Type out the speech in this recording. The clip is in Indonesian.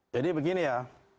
jadi begini ya